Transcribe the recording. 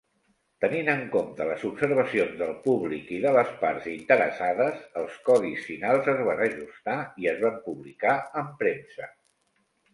Tenint en compte les observacions del públic i de les parts interessades, els codis finals es van ajustar i es van publicar en premsa.